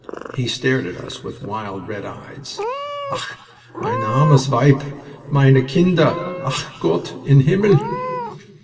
He stared at us with wild, red eyes. "Ach, mein armes Weib! Meine Kinder!... Ach, Gott in Himmel!"